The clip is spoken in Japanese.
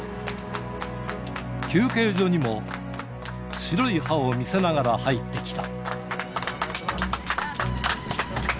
休憩所にも白い歯を見せながら入ってきた。